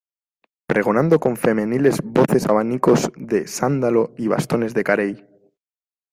pregonando con femeniles voces abanicos de sándalo y bastones de carey.